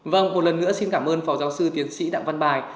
vâng một lần nữa xin cảm ơn phó giáo sư tiến sĩ đặng văn bài